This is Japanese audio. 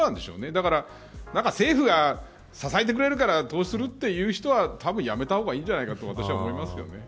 だから、政府が支えてくれるから投資するという方はやめた方がいいんじゃないかと思います。